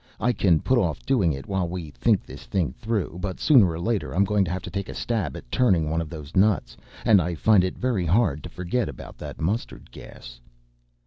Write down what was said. I can put off doing it while we think this thing through, but sooner or later I'm going to have to take a stab at turning one of those nuts. And I find it very hard to forget about that mustard gas."